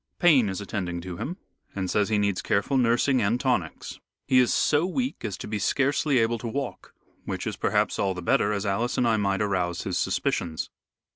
Payne is attending to him and says he needs careful nursing and tonics. He is so weak as to be scarcely able to talk, which is perhaps all the better, as Alice and I might arouse his suspicions.